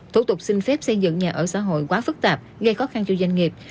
thủ tục xin phép xây dựng nhà ở xã hội quá phức tạp gây khó khăn cho doanh nghiệp